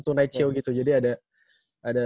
tonight show gitu jadi ada